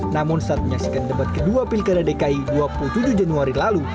namun saat menyaksikan debat kedua pilkada dki dua puluh tujuh januari lalu